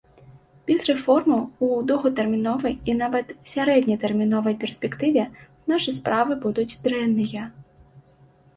Без рэформаў у доўгатэрміновай і нават сярэднетэрміновай перспектыве нашы справы будуць дрэнныя.